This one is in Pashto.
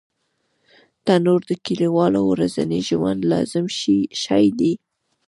تنور د کلیوالو ورځني ژوند لازم شی دی